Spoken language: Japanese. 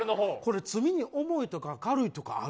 これは罪に重いとか軽いとかある。